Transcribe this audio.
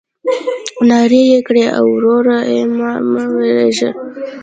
نارې يې کړې ای وروره ای مه وېرېږه.